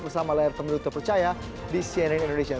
bersama layar pemilu terpercaya di cnn indonesia